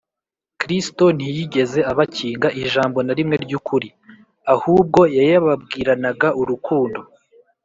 ” kristo ntiyigeze abakinga ijambo na rimwe ry’ukuri, ahubwo yayababwiranaga urukundo